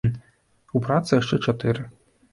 У працы яшчэ чатыры.